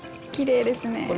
きれいですね。